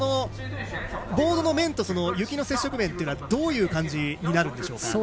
ボードの面と雪の接触面はどういう感じになるんでしょう。